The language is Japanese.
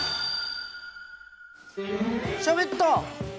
しゃべった！